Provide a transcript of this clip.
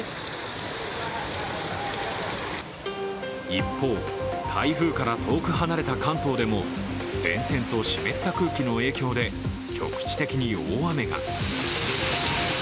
一方、台風から遠く離れた関東でも、前線と湿った空気の影響で局地的に大雨が。